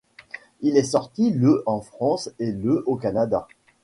Il est sorti le en France et le au Canada.